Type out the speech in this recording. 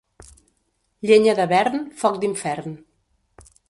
Llenya de vern, foc d'infern.